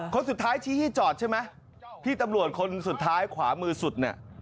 คนสุดท้ายชี้ให้จอดใช่ไหมพี่ตำรวจคนสุดท้ายขวามือสุดเนี่ย